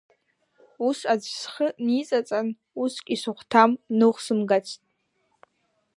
Ус аӡә схы ниҵаҵан, уск исыхәҭам ныҟәсымгацт.